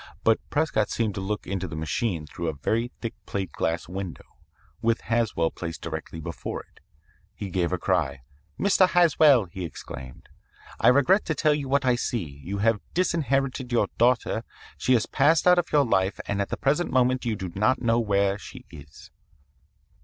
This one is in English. But Prescott seemed to look into the machine through a very thick plate glass window, with Haswell placed directly before it. He gave a cry. 'Mr. Haswell,' he exclaimed, 'I regret to tell you what I see. You have disinherited your daughter; she has passed out of your life and at the present moment you do not know where she is.'